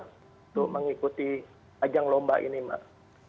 untuk mengikuti ajang lomba ini mbak